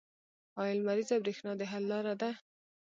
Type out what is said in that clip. آیا لمریزه بریښنا د حل لاره ده؟